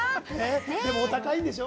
でもお高いんでしょ？